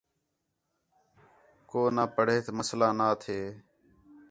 کُو نہ پڑھیت مسئلہ نا تھے